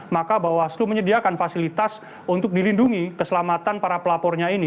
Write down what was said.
maka bawaslu menyediakan fasilitas untuk dilindungi keselamatan para pelapornya ini